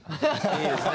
いいですね。